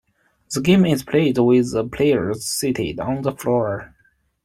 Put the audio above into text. The game is played with the players seated on the floor.